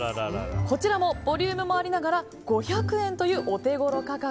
こちらもボリュームもありながら５００円というオテゴロ価格。